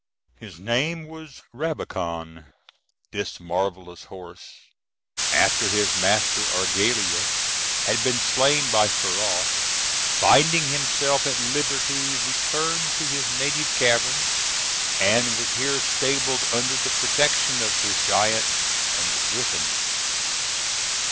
His name was Rabican. This marvellous horse, after his master Argalia had been slain by Ferrau, finding himself at liberty, returned to his native cavern, and was here stabled under the protection of the giant and the griffin.